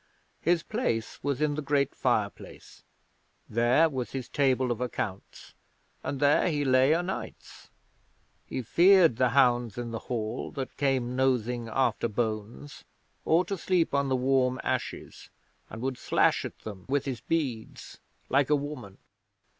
His place was in the great fireplace. There was his table of accounts, and there he lay o' nights. He feared the hounds in the Hall that came nosing after bones or to sleep on the warm ashes, and would slash at them with his beads like a woman.